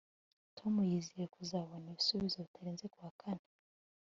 tom yizeye kuzabona ibisubizo bitarenze kuwa kane